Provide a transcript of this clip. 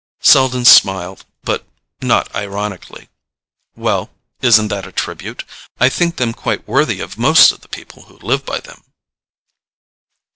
Selden smiled, but not ironically. "Well, isn't that a tribute? I think them quite worthy of most of the people who live by them."